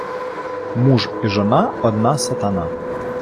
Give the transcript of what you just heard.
муж і жона – одна сатана